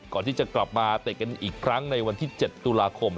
ก่อนที่จะกลับมาเตะกันอีกครั้งในวันที่๗ตุลาคม